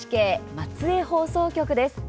松江放送局です。